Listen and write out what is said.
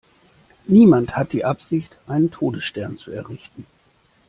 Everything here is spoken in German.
Niemand hat die Absicht, einen Todesstern zu errichten!